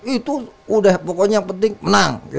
itu udah pokoknya yang penting menang